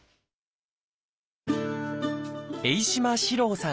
榮島四郎さん